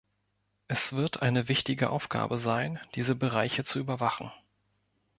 Es wird eine wichtige Aufgabe sein, diese Bereiche zu überwachen.